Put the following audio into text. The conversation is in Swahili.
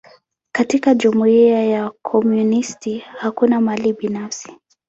Katika jumuia ya wakomunisti, hakuna mali binafsi.